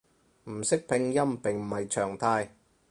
唔識拼音並唔係常態